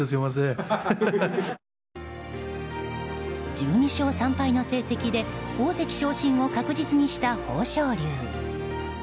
１２勝３敗の成績で大関昇進を確実にした豊昇龍。